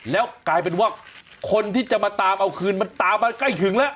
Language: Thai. แล้วกลายเป็นว่าคนที่จะมาตามเอาคืนมันตามมาใกล้ถึงแล้ว